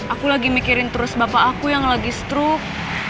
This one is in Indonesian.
aku lagi mikirin terus bapak aku yang lagi stroke